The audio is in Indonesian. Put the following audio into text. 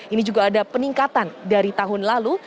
ini juga ada peningkatan dari tahun lalu